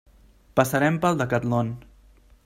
Passarem pel Decatlon.